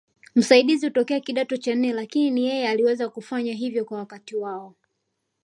Msaidizi hutokea kidato cha nne Lakini ni yeye aliweza kufanya hivyo kwa wakati wao